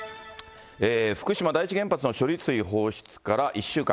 福島第一原発の処理水放出から１週間。